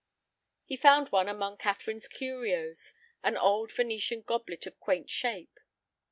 He found one among Catherine's curios, an old Venetian goblet of quaint shape.